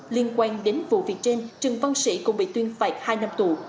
liên quan đến vụ việc trên trừng văn sĩ cũng bị tuyên phạt hai năm tù